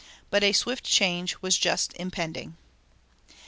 But a swift change was just impending.